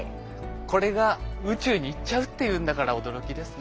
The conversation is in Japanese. これが宇宙に行っちゃうっていうんだから驚きですね。